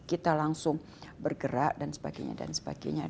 kita langsung bergerak dan sebagainya